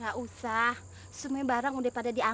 gak usah saya juga mau bantuin mbak